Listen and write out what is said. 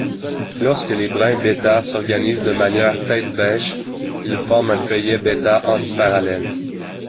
Lorsque les brins β s'organisent de manière tête-bêche, ils forment un feuillet β anti-parallèle.